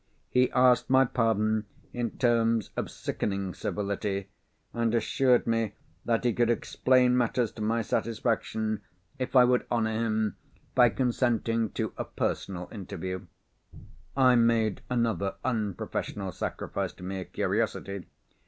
He asked my pardon in terms of sickening servility, and assured me that he could explain matters to my satisfaction, if I would honour him by consenting to a personal interview. I made another unprofessional sacrifice to mere curiosity.